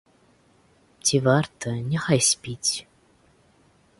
Ці варта, няхай спіць.